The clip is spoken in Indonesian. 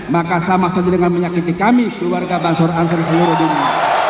maka sama saja dengan menyakiti kami keluarga bansur ansor seluruh dunia